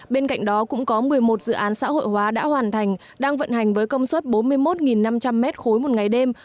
bên cạnh đó cũng có một mươi một dự án xã hội hóa đã hoàn thành đang vận hành với công suất bốn mươi một năm trăm linh m ba một ngày đêm